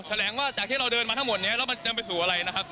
แหลงว่าจากที่เราเดินมาทั้งหมดนี้แล้วมันจะไปสู่อะไรนะครับ